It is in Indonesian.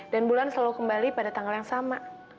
dan bulan selalu kembali pada tanggal yang sama